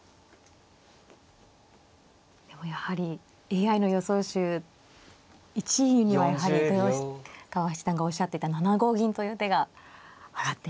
でもやはりＡＩの予想手１位にはやはり豊川七段がおっしゃってた７五銀という手が挙がっていますね。